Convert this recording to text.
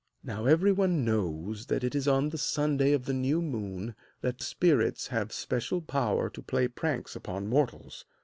Now everyone knows that it is on the Sunday of the new moon that spirits have special power to play pranks upon mortals.